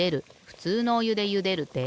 ふつうのおゆでゆでるで。